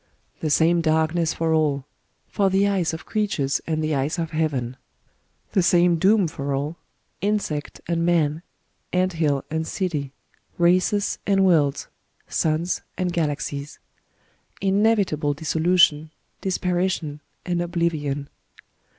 The same darkness for all, — for the eyes of creatures and the eyes of heaven ;— the same doom for all, — insect and man, ant hill and city, races and worlds, suns and galaxies: inevitable dissolution, disparition, and oblivion.